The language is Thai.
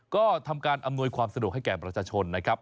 ก็ทำการอำนวยความสะดวกให้แก่ประชาชนนะครับ